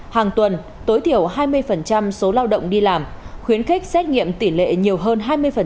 hàng tuần tối thiểu hai mươi số lao động đi làm khuyến khích xét nghiệm tỷ lệ nhiều hơn hai mươi